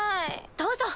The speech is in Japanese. どうぞ。